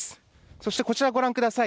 そしてこちら、ご覧ください。